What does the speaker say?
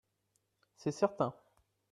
C’est certain